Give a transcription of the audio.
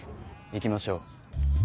行きましょう。